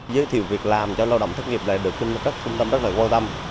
giới thiệu việc làm cho lao động thất nghiệp là được trung tâm rất quan tâm